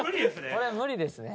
これは無理ですね。